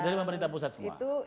dari pemerintah pusat semua